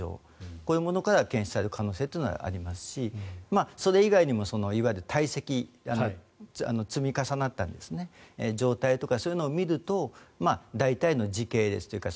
こういうものから検出される可能性はありますしそれ以外にもいわゆる、たい積積み重なった状態とかそういうのを見ると大体の時系列というか